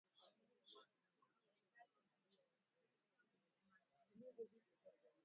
Waliripoti kuwa serikali imesitisha mazungumzo